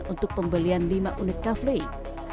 untuk pembelian lima unit kafling